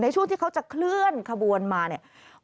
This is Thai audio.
ช่วงที่เขาจะเคลื่อนขบวนมาเนี่ย